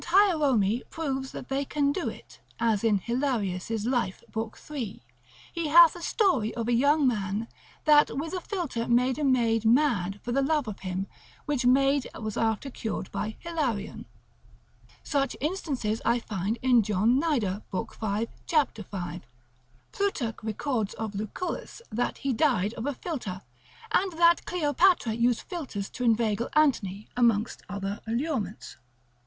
Hierome proves that they can do it (as in Hilarius' life, epist. lib. 3); he hath a story of a young man, that with a philter made a maid mad for the love of him, which maid was after cured by Hilarion. Such instances I find in John Nider, Formicar. lib. 5. cap. 5. Plutarch records of Lucullus that he died of a philter; and that Cleopatra used philters to inveigle Antony, amongst other allurements.